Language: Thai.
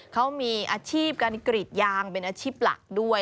เขามีอาชีพการกรีดยางเป็นอาชีพหลักด้วย